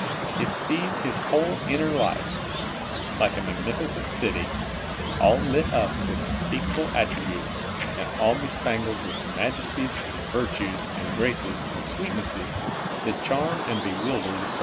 It sees His whole inner life, like a magnificent cit}^, all lit up with unspeakable attributes, and all bespangled wdtli majesties and virtues and graces and sweetnesses, that charm and bewilder the